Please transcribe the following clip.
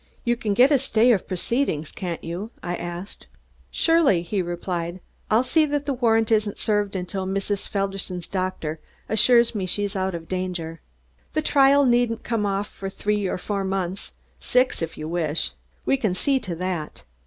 "You can get a stay of proceedings, can't you?" I asked. "Surely," he replied. "I'll see that the warrant isn't served until Mrs. Felderson's doctor assures me she is out of danger. The trial needn't come off for three or four months six if you wish. We can see to that.